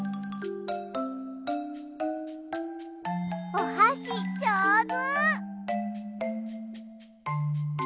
おはしじょうず！